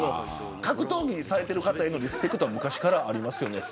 格闘技されている方へのリスペクトは昔からありますよね。